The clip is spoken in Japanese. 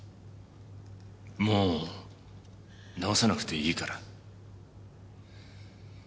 もう治さなくていいから。